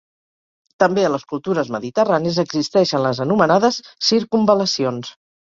També a les cultures mediterrànies existeixen les anomenades “circumval·lacions”.